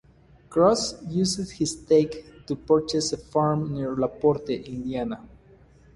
Cross used his take to purchase a farm near LaPorte, Indiana.